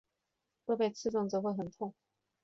若被刺中则会很痛。